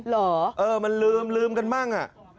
เหรอมันลืมกันบ้าง